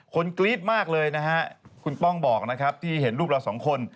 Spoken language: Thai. กรี๊ดมากเลยนะฮะคุณป้องบอกนะครับที่เห็นลูกเราสองคน